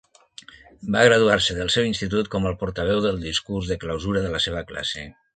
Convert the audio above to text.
Va graduar-se del seu institut com el portaveu del discurs de clausura de la seva classe.